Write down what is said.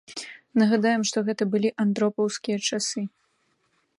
Нагадаем, што гэты былі андропаўскія часы.